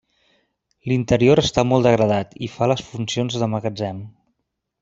L'interior està molt degradat i fa les funcions de magatzem.